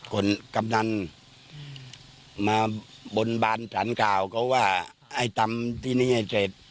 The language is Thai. คนกำนันมาบนบานสารกล่าวเขาว่าไอ้ตำที่นี่ให้เสร็จ